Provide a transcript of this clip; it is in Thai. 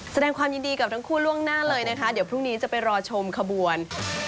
แสดงความยินดีกับทั้งคู่ล่วงหน้าเลยนะคะเดี๋ยวพรุ่งนี้จะไปรอชมขบวน